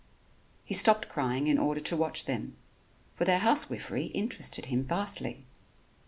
He stopped crying in order to watch them, for their housewifery interested him vastly.